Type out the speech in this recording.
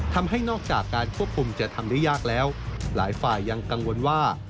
นอกจากการควบคุมจะทำได้ยากแล้วหลายฝ่ายยังกังวลว่า